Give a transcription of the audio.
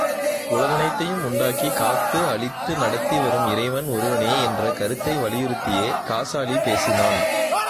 உலகனைத்தையும் உண்டாக்கிக் காத்து அழித்து நடத்தி வரும் இறைவன் ஒருவனே, என்ற கருத்தை வலியுறுத்தியே காசாலி பேசினான்.